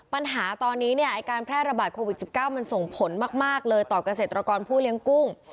ปัญหาตอนนี้เนี่ยไอ้การแพร่ระบาดโควิด๑๙มันส่งผลมากเลยต่อเกษตรกรผู้เลี้ยงกุ้ง